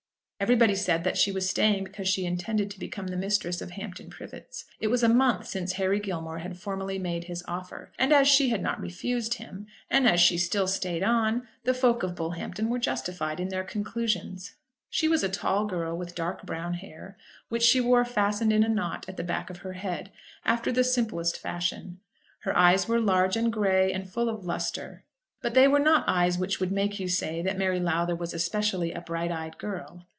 Everybody said that she was staying because she intended to become the mistress of Hampton Privets. It was a month since Harry Gilmore had formally made his offer, and as she had not refused him, and as she still stayed on, the folk of Bullhampton were justified in their conclusions. She was a tall girl, with dark brown hair, which she wore fastened in a knot at the back of her head, after the simplest fashion. Her eyes were large and grey, and full of lustre; but they were not eyes which would make you say that Mary Lowther was especially a bright eyed girl.